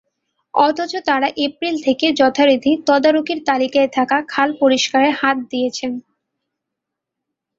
অথচ তাঁরা এপ্রিল থেকে যথারীতি তদারকির তালিকায় থাকা খাল পরিষ্কারে হাত দিয়েছেন।